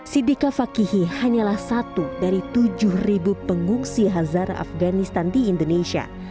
sidika fakihi hanyalah satu dari tujuh pengungsi hazar afganistan di indonesia